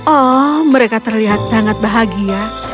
oh mereka terlihat sangat bahagia